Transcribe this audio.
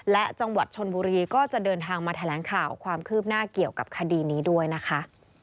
และจังหวัดชนบุรีก็จะเดินทางมาแถลงข่าวความคืบหน้าเกี่ยวกับคดีนี้ด้วยนะคะ